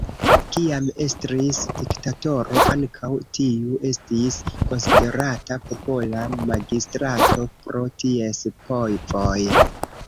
Kiam estris diktatoro, ankaŭ tiu estis konsiderata popola magistrato, pro ties povoj.